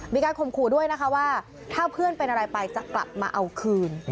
ข่มขู่ด้วยนะคะว่าถ้าเพื่อนเป็นอะไรไปจะกลับมาเอาคืน